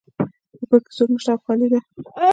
په کور کې څوک نشته او خالی ده